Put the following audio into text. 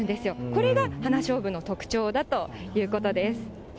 これが花しょうぶの特徴だということです。